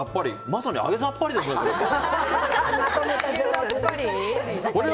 まさに揚げざっぱりですね、これ。